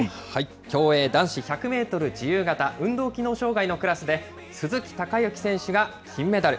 競泳男子１００メートル自由形、運動機能障害のクラスで、鈴木孝幸選手が金メダル。